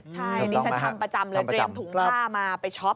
ใช่นี่ฉันทำประจำเลยเตรียมถุงผ้ามาไปช็อก